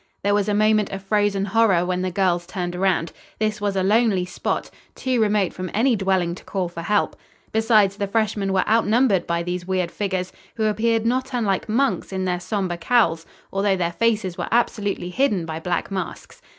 There was a moment of frozen horror when the girls turned around. This was a lonely spot, too remote from any dwelling to call for help. Besides, the freshmen were outnumbered by these weird figures, who appeared not unlike monks in their somber cowls, although their faces were absolutely hidden by black masks.